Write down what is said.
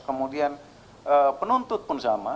kemudian penuntut pun sama